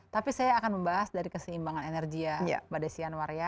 tapi saya akan membahas dari keseimbangan energi